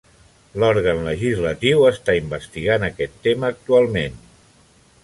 L"òrgan legislatiu està investigant aquest tema actualment.